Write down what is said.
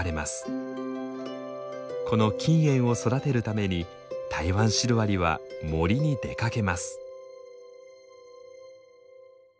この菌園を育てるためにタイワンシロアリは森に出かけます。